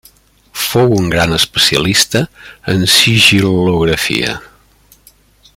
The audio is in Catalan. Fou un gran especialista en sigil·lografia.